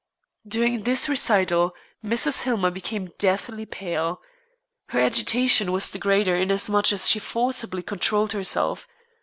During this recital Mrs. Hillmer became deathly pale. Her agitation was the greater inasmuch as she forcibly controlled herself.